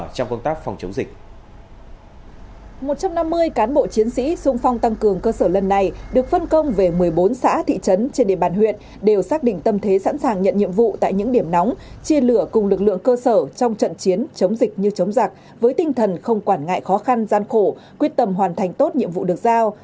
trong phong tăng cường cơ sở lần này được phân công về một mươi bốn xã thị trấn trên địa bàn huyện đều xác định tâm thế sẵn sàng nhận nhiệm vụ tại những điểm nóng chia lửa cùng lực lượng cơ sở trong trận chiến chống dịch như chống giặc với tinh thần không quản ngại khó khăn gian khổ quyết tâm hoàn thành tốt nhiệm vụ được giao